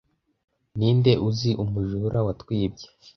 Ninde uzi umujura watwibye